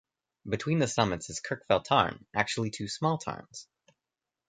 Between the summits is Kirkfell Tarn, actually two small tarns.